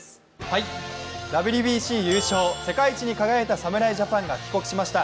ＷＢＣ優勝、世界一に輝いた侍ジャパンが帰国しました。